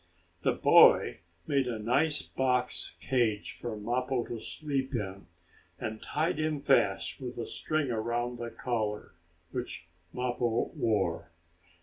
The boy made a nice box cage for Mappo to sleep in, and tied him fast with a string around the collar, which Mappo wore.